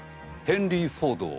ヘンリー・フォードを。